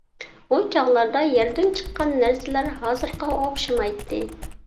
ئۇ چاغلاردا يەردىن چىققان نەرسىلەر ھازىرقىغا ئوخشىمايتتى.